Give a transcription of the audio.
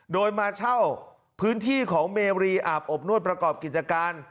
โดยมาเช่าพื้นที่ของเมรีอาบอบนวดประกอบกิจการ